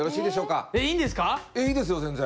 いいですよ全然。